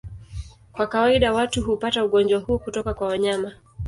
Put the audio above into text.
Kwa kawaida watu hupata ugonjwa huo kutoka kwa wanyama.